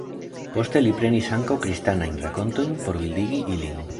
Poste li prenis ankaŭ kristanajn rakontojn por bildigi ilin.